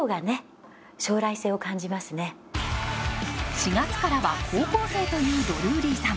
４月からは高校生というドルーリーさん。